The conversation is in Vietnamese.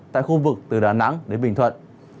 tại khu vực từ đà nẵng đến bình thuận